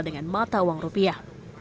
dengan mata uang rupiah